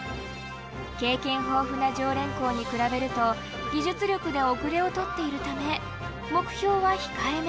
経験豊富な常連校に比べると技術力で後れを取っているため目標は控えめ。